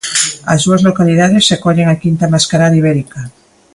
As dúas localidades acollen a quinta Mascarada Ibérica.